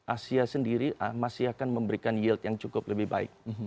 asia sendiri masih akan memberikan yield yang cukup lebih baik